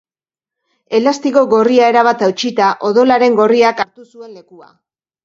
Elastiko gorria erabat hautsita, odolaren gorriak hartu zuen lekua.